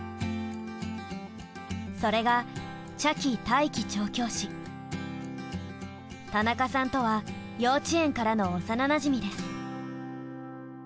それが田中さんとは幼稚園からの幼なじみです。